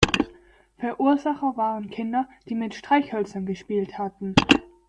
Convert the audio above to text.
Verursacher waren Kinder, die mit Streichhölzern gespielt hatten.